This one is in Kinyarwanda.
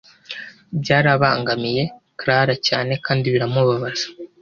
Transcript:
byarabangamiye Clara cyane kandi biramubabaza